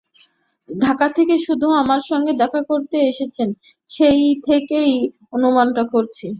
ঢাকা থেকে শুধু আমার সঙ্গেই দেখা করতে এসেছেন, সেই থেকেই অনুমানটা করছি।